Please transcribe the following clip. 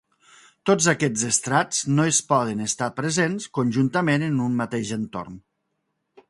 Tots aquests estrats no es poden estar presents conjuntament en un mateix entorn.